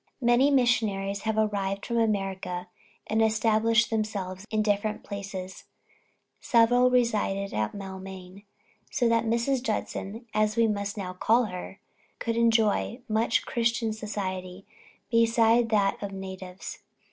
Many Missionaries had arrived from America and established themselves in different places; several resided at Maulmain; so that Mrs. Judson, as we must now call her, could enjoy much Christian society besides that of the natives.